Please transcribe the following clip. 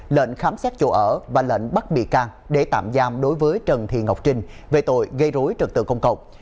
lệnh khám xét chỗ ở và lệnh bắt bị can để tạm giam đối với trần thị ngọc trinh về tội gây rối trật tự công cộng